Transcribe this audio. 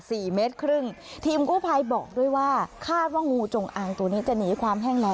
สี่เมตรครึ่งทีมกู้ภัยบอกด้วยว่าคาดว่างูจงอางตัวนี้จะหนีความแห้งล้อ